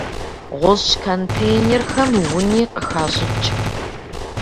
Гъущӏ контейнерхэм уни къыхащӏыкӏ.